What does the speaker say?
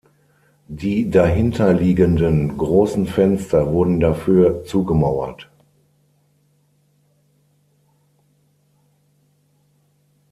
Die dahinterliegenden großen Fenster wurden dafür zugemauert.